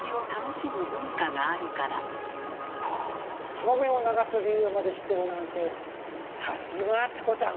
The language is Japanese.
そうめんを流す理由まで知ってるなんてさすがチコちゃん。